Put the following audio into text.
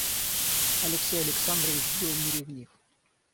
Алексей Александрович был не ревнив.